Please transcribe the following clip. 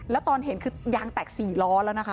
แล้วตอนเห็นคือยางแตก๔ล้อแล้วนะคะ